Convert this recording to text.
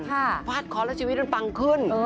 ฟาดเคราะห์แล้วชีวิตมันปังขึ้น